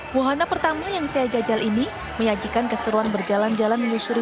hai muhana pertama yang saya jajal ini menyajikan keseruan berjalan jalan menyusuri